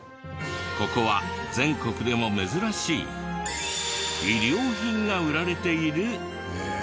ここは全国でも珍しい医療品が売られているローソン。